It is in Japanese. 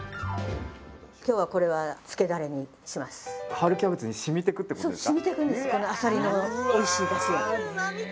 春キャベツにしみてくってことですか？